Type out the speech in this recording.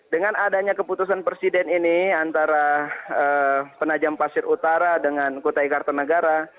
dengan adanya keputusan presiden ini antara penajam pasir utara dengan kutai kartanegara